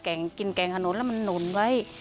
กินแก่งขนุนแล้วมันหนุนไว้